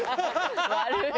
悪い。